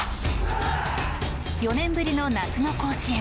４年ぶりの夏の甲子園。